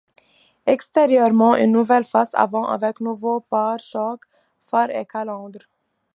Extérieurement, une nouvelle face avant avec nouveaux pare-chocs, phares et calandre.